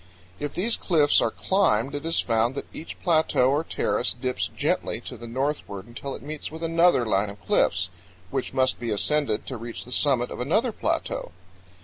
If these cliffs are climbed it is found that each plateau or terrace dips gently to the northward until it meets with another line of cliffs, which must be ascended to reach the summit of another plateau.